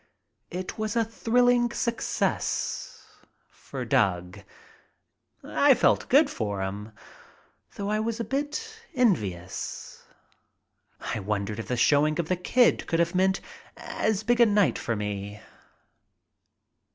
It was a thrilling success for Doug. I felt good for him, though I was a bit envious. I wondered if the showing of "The Kid" could have meant as big a night for me.